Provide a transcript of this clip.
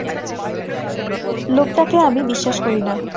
লোকটাকে আমি বিশ্বাস করি না।